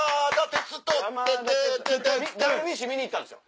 テテテテッテダルビッシュ見に行ったんですよ。